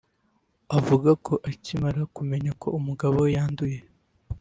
Avuga ko akimara kumenya ko umugabo we yanduye